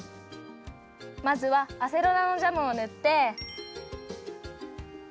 まずはアセロラのジャムをぬって。